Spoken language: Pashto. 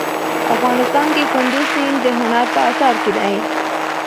افغانستان کې کندز سیند د هنر په اثار کې دی.